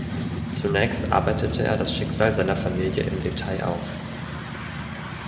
Zunächst arbeitete er das Schicksal seiner Familie im Detail auf.